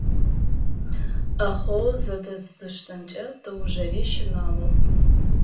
Ӏэхъогъу зэдэзыштэмкӏэ тыгъужъыри щынагъоп.